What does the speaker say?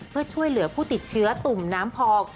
เพื่อช่วยเหลือผู้ติดเชื้อตุ่มน้ำพอง